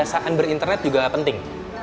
dasarkan berinternet juga penting